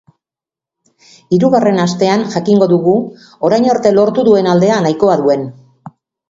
Hirugarren astean jakingo dugu orain arte lortu duen aldea nahikoa duen.